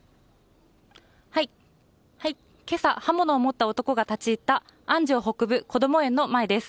今朝、刃物を持った男が立ち入った安城北部こども園の前です。